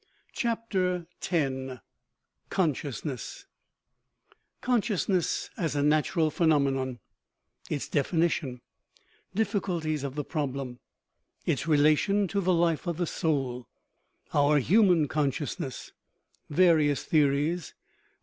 CHAPTER X CONSCIOUSNESS Consciousness as a Natural Phenomenon Its Definition Diffi culties of the Problem Its Relation to the Life of the Soul Our Human Consciousness Various Theories : I.